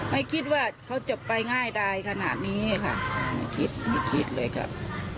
ไม่คิดว่าเขาจะไปง่ายดายขนาดนี้ค่ะไม่คิดไม่คิดเลยครับ